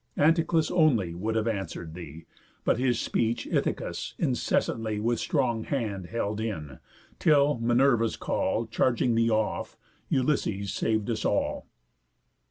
Anticlus only would have answer'd thee, But his speech Ithacus incessantly With strong hand held in, till, Minerva's call Charging thee off, Ulysses sav'd us all."